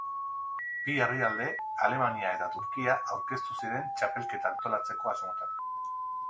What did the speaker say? Bi herrialde, Alemania eta Turkia, aurkeztu ziren txapelketa antolatzeko asmotan.